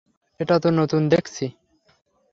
এটা তো নতুন দেখছি।